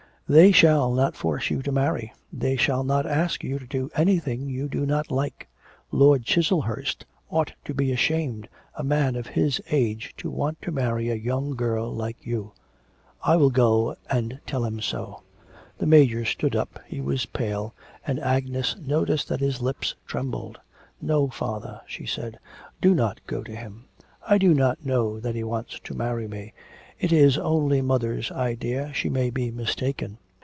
'They shall not force you to marry, they shall not ask you to do anything you do not like. Lord Chiselhurst ought to be ashamed, a man of his age to want to marry a young girl like you. I will go and tell him so.' The Major stood up, he was pale, and Agnes noticed that his lips trembled. 'No, father,' she said, 'do not go to him; I do not know that he wants to marry me; it is only mother's idea, she may be mistaken.'